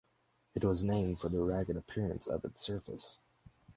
It was named for the ragged appearance of its surface.